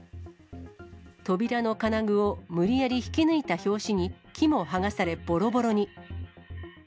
扉の金具を無理やり引き抜いた拍子に、木も剥がされ、ぼろぼろに。